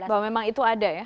bahwa memang itu ada ya